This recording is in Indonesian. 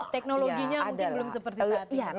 teknologinya mungkin belum seperti saat ini